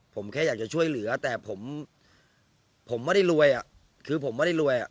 ผมแค่อยากจะช่วยเหลือแต่ผมผมไม่ได้รวยอ่ะคือผมไม่ได้รวยอ่ะ